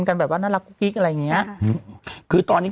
พี่ชอบโดนประโดยปกป้อง